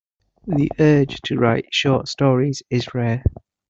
The urge to write short stories is rare.